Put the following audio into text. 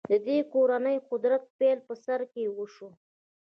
د دې کورنۍ قدرت پیل په سر کې وشو.